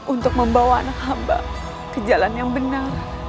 untuk membawa anak hamba ke jalan yang benar